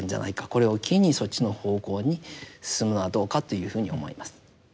これを機にそっちの方向に進むのはどうかというふうに思います。